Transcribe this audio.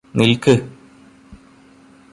നില്ക്ക്